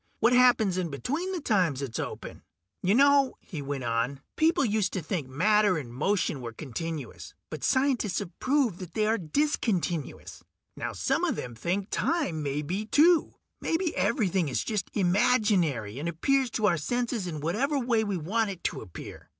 What happens in between the times it's open? "You know," he went on, "people used to think matter and motion were continuous, but scientists have proved that they are discontinuous. Now some of them think time may be, too. Maybe everything is just imaginary, and appears to our senses in whatever way we want it to appear.